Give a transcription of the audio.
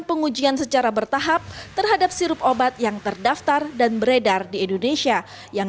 pengujian secara bertahap terhadap sirup obat yang terdaftar dan beredar di indonesia yang